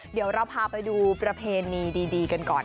เดี๋ยวเราพาไปดูประเพณีดีกันก่อน